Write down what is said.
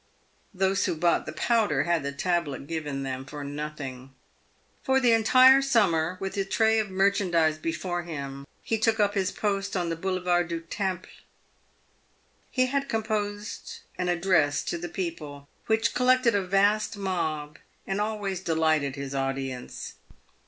Those who bought the powder had the tablet given them for nothing. For the entire summer, with his tray of merchandise before him, he took up his post on the Boulevard du Temple. He had com posed an address to the people, which collected a vast mob, and al ways delighted his audience.